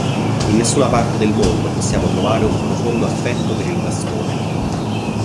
In nessuna parte del Mondo possiamo trovare un profondo affetto per il bastone.